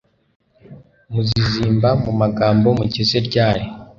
muzizimba mu magambo mugeze ryari